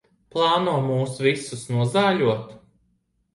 Plāno mūs visus nozāļot?